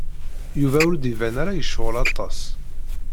Yuba ur d-iban ara yecɣel aṭas.